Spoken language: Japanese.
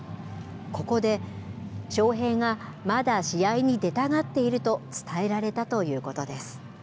ここで、翔平がまだ試合に出たがっていると伝えられたということです。